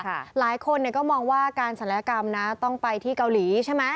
หลายคนเนี่ยก็มองว่าการศัลยกรรมนะต้องไปที่เกาหลีใช่ไหม